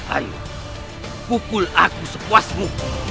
ayo pukul aku sepuasmu